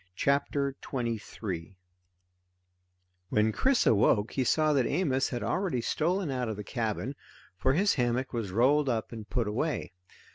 CHAPTER 23 When Chris awoke he saw that Amos had already stolen out of the cabin, for his hammock was rolled up and put away.